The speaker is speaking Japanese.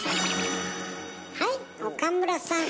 はい岡村さん。